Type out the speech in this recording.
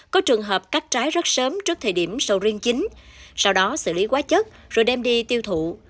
có trường hợp cắt trái rất sớm trước thời điểm sầu riêng chính sau đó xử lý quá chất rồi đem đi tiêu thụ